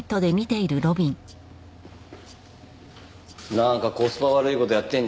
なんかコスパ悪い事やってんじゃん。